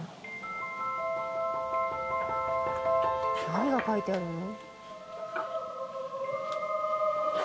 「何が書いてあるの？」